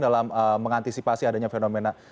dalam mengantisipasi adanya fenomena